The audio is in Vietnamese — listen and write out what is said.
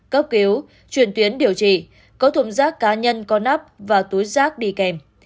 cấp cứu chuyển tuyến điều trị có thùng rác cá nhân có nắp và túi rác đi kèm